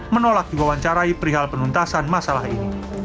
menolak diwawancarai perihal penuntasan masalah ini